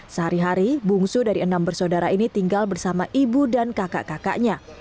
sehari hari bungsu dari enam bersaudara ini tinggal bersama ibu dan kakak kakaknya